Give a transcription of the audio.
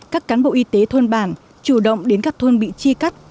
các cán bộ y tế thôn bảng chủ động đến các thôn bị chi cắt